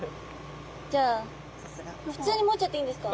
じゃあ普通に持っちゃっていいんですか？